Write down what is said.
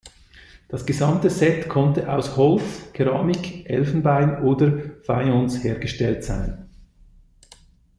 Das gesamte Set konnte aus Holz, Keramik, Elfenbein oder Fayence hergestellt sein.